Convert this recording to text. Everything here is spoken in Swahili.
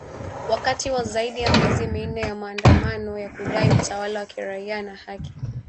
wakati wa zaidi ya miezi minne ya maandamano ya kudai utawala wa kiraia na haki